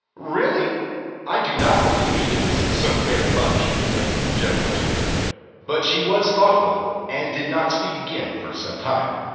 "Really, I do not believe he is so very much, you know," Joe answered. But she was thoughtful, and did not speak again for some time.